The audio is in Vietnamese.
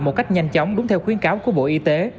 một cách nhanh chóng đúng theo khuyến cáo của bộ y tế